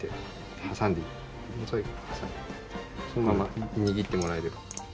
挟んでそのまま握ってもらえれば。